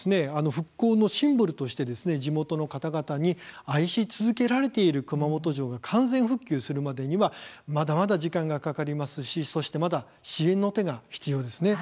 復興のシンボルとして地元の方々に愛し続けられている熊本城が完全復旧するまでにはまだまだ時間がかかりますしそして、まだ支援の手が必要です。